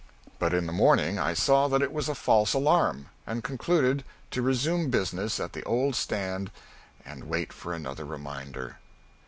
But in the morning I saw that it was a false alarm and concluded to resume business at the old stand and wait for another reminder.